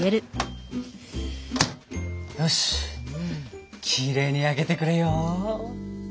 よしきれいに焼けてくれよ。